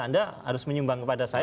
anda harus menyumbang kepada saya